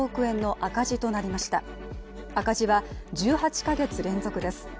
赤字は１８か月連続です。